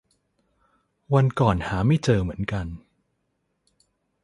วันก่อนหาไม่เจอเหมือนกัน